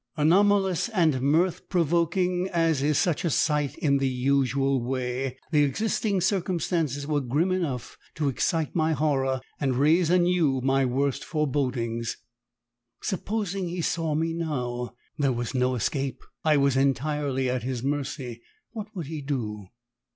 Anomalous and mirth provoking as is such a sight in the usual way, the existing circumstances were grim enough to excite my horror and raise anew my worst forebodings. Supposing he saw me now? There was no escape! I was entirely at his mercy. What would he do?